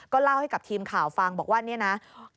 ก็เล่าให้กับทีมข่าวฟังบอกว่า